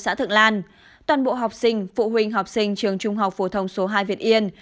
xã thượng lan toàn bộ học sinh phụ huynh học sinh trường trung học phổ thông số hai việt yên